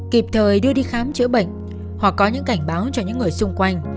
kịp thời đưa đi khám chữa bệnh hoặc có những cảnh báo cho những người xung quanh